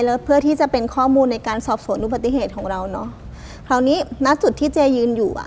แล้วเพื่อที่จะเป็นข้อมูลในการสอบสวนอุบัติเหตุของเราเนอะคราวนี้ณจุดที่เจยืนอยู่อ่ะ